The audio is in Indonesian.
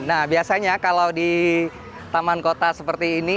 nah biasanya kalau di taman kota seperti ini